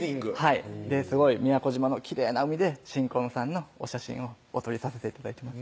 すごい宮古島のきれいな海で新婚さんのお写真をお撮りさせて頂いてます